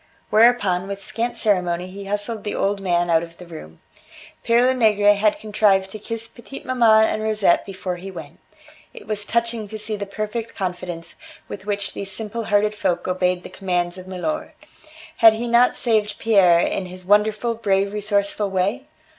Whereupon, with scant ceremony, he hustled the old man out of the room. Pere Lenegre had contrived to kiss petite maman and Rosette before he went. It was touching to see the perfect confidence with which these simple hearted folk obeyed the commands of milor. Had he not saved Pierre in his wonderful, brave, resourceful way?